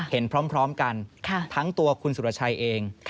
เห็นพร้อมกันทั้งตัวคุณสุรชัยเอง